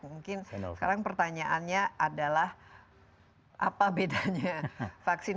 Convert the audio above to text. mungkin sekarang pertanyaannya adalah apa bedanya vaksin